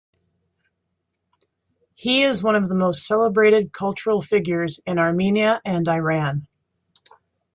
He is one of the most celebrated cultural figures in Armenia and Iran.